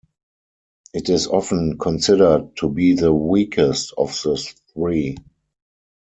It is often considered to be the weakest of the three.